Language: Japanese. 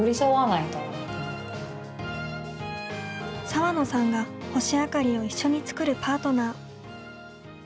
さわのさんが「星あかり」を一緒に作るパートナー。